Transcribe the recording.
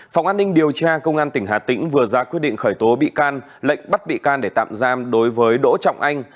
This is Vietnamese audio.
phòng an ninh điều tra công an tỉnh hà tĩnh vừa ra quyết định khởi tố bị can lệnh bắt bị can để tạm giam đối với đỗ trọng anh